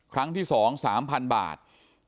ครั้งที่๒๓๐๐๐บาท